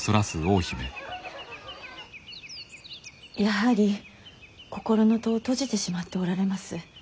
やはり心の戸を閉じてしまっておられます。